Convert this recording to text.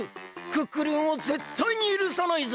クックルンをぜったいにゆるさないぞ！